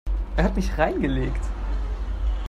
Er hat mich reingelegt.